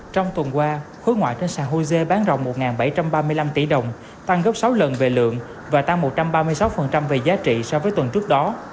trong tuần qua khối ngoại trên sàn hồ dê bán rộng một bảy trăm ba mươi năm tỷ đồng tăng gấp sáu lần về lượng và tăng một trăm ba mươi sáu về giá trị so với tuần trước đó